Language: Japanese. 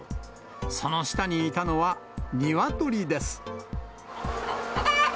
その下にいたのは、ニワトリです。